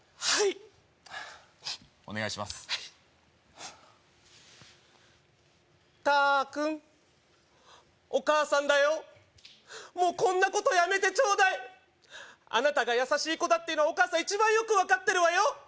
はいタ君お母さんだよもうこんなことやめてちょうだいあなたが優しい子だっていうのはお母さん一番よく分かってるわよ